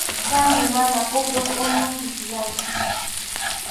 Chaymi mana pukyup unun pisiyanchu.